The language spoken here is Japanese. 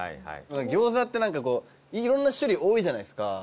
餃子ってなんかこういろんな種類多いじゃないですか。